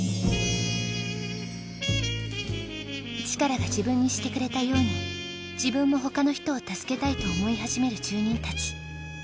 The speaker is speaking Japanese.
チカラが自分にしてくれたように自分も他の人を助けたいと思い始める住人たち。